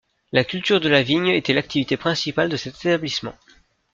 La culture de la vigne était l'activité principale de cet établissement.